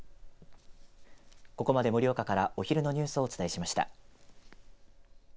ここまで盛岡からお昼のニュースをお伝えしました。